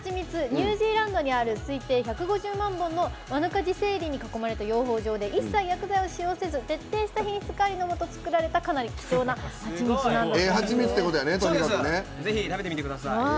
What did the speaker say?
ニュージーランドにある推定１５０万本のマヌカ自生林に囲まれた養蜂場で一切、薬剤を使用せず徹底した品質管理のもと作られたかなり貴重なぜひ食べてみてください。